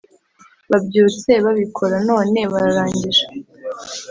Babyutse babikora none bararangije